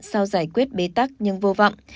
sau giải quyết bế tắc nhưng vô vọng